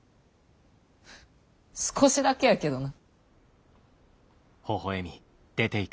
少しだけやけどな。